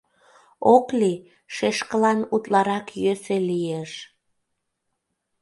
Ок лий, шешкылан утларак йӧсӧ лиеш...